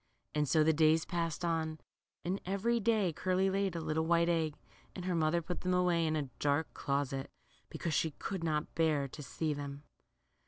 And so the days passed on, and every day Curly laid a little white egg, and her mother put them away in a dark closet, because she could not bear to see them.